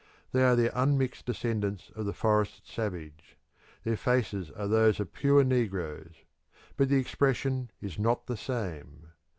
They are the unmixed descendants of the forest savage; their faces are those of pure negroes, but the expression is not the same.